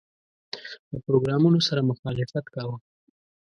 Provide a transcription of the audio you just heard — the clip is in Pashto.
له پروګرامونو سره مخالفت کاوه.